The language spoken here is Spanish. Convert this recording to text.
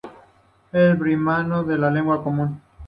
El birmano es la lengua común.